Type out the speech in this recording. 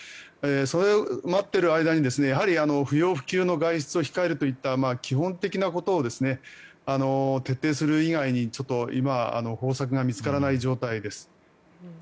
それを待っている間に不要不急の外出を控えるといった基本的なことを徹底する以外にちょっと今方策がない状態です。